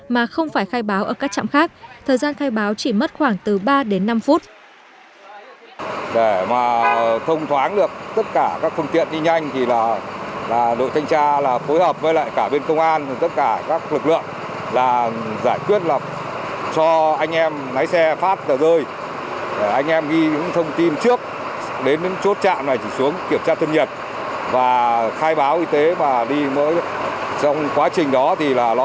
mà không phải khai báo ở các trạm khác thời gian khai báo chỉ mất khoảng từ ba đến năm phút